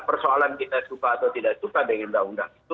persoalan kita suka atau tidak suka dengan undang undang itu